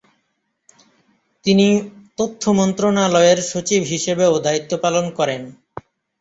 তিনি তথ্য মন্ত্রণালয়ের সচিব হিসেবেও দায়িত্ব পালন করেন।